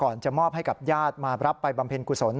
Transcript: จะมอบให้กับญาติมารับไปบำเพ็ญกุศล